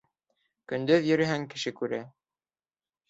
Көндөҙ йөрөһәң, кеше күрә